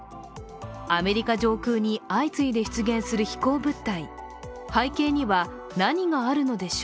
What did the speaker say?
アメリカ上空に相次いで出現する飛行物体。